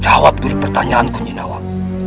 jawab dulu pertanyaanku jinawan